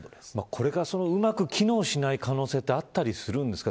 これが、うまく機能しない可能性があったりするんですか。